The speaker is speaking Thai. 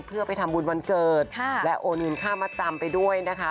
เพื่อไปทำบุญวันเกิดและโอนเงินค่ามัดจำไปด้วยนะคะ